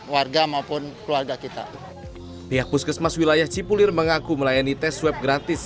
warga maupun keluarga kita pihak puskesmas wilayah cipulir mengaku melayani tes swab gratis